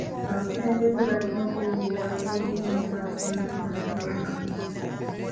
Abakulembeze balina okwebuuza ku boobuyinza nga tebannatandikawo kkanisa